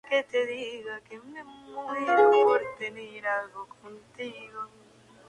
Gracias al film, Pascale Ogier obtuvo el reconocimiento del público y de la profesión.